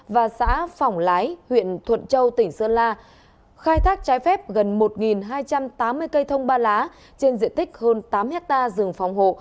và xã phỏng lái huyện thuận châu tỉnh sơn la khai thác trái phép gần một hai trăm tám mươi cây thông ba lá trên diện tích hơn tám hectare rừng phòng hộ